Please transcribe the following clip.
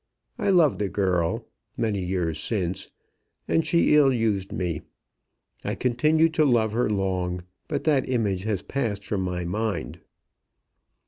I loved a girl, many years since, and she ill used me. I continued to love her long, but that image has passed from my mind."